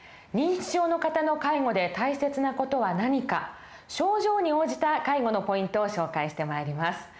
認知症の方の介護で大切な事は何か症状に応じた介護のポイントを紹介してまいります。